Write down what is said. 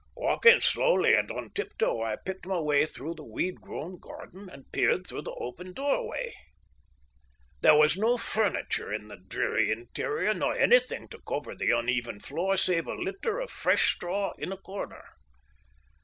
Walking slowly and on tiptoe, I picked my way through the weed grown garden, and peered through the open doorway. There was no furniture in the dreary interior, nor anything to cover the uneven floor save a litter of fresh straw in a corner.